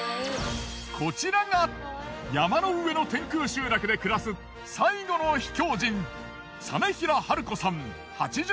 こちらが山の上の天空集落で暮らす最後の秘境人。